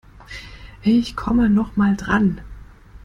Ich komme noch mal dran.